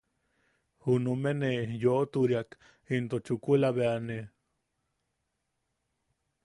Junume ne yoʼoturiak into chukula bea ne...